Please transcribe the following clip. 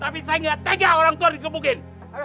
bukan orang tua yang dikampungin